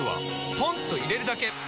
ポンと入れるだけ！